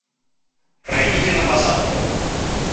Пройдите на посадку.